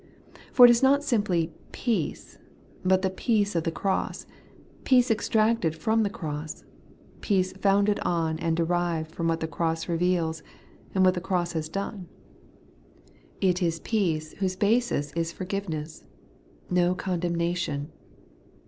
For it is not simply peace, but the peace of the cross; peace extracted from the cross ; peace founded on and derived from what the cross reveals, and what the cross has done. It is peace whose basis is forgiveness, ' no condemna tion.'